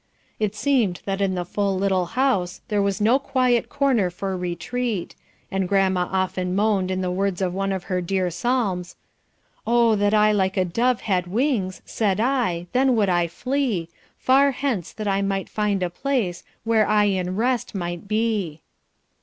It seemed that in the full little house there was no quiet corner for retreat, and grandma often moaned in the words of one of her dear psalms "O that I like a dove had wings, Said I, then would I flee, Far hence that I might find a place Where I in rest might be."